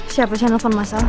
siapa yang telepon masalah